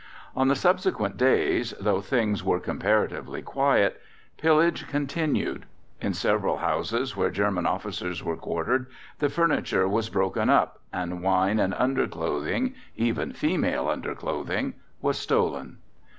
On the subsequent days, though things were comparatively quiet, pillage continued. In several houses where German officers were quartered, the furniture was broken up, and wine and underclothing (even female underclothing) was stolen.